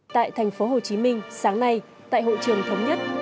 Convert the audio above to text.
tại tp hcm sáng nay tại hội trường thống nhất